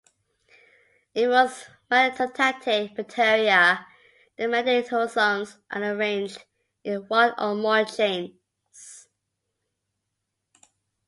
In most magnetotactic bacteria, the magnetosomes are arranged in one or more chains.